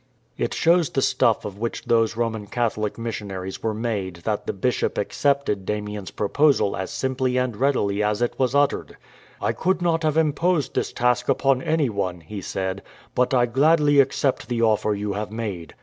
It shows the stuff of which those Roman Catholic missionaries were made that the bishop accepted Damien's proposal as simply and readily as it was utterd. "I could not have imposed this task upon any one," he said ;" but I gladly accept the offer you have made."